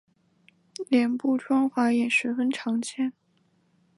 脸部穿环也十分常见。